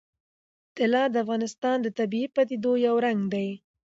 طلا د افغانستان د طبیعي پدیدو یو رنګ دی.